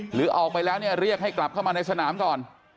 หรือออกไปแล้วเนี่ยเรียกให้กลับเข้ามาในสนามก่อน